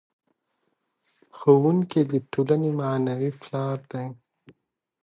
ښوونکی د ټولنې معنوي پلار دی.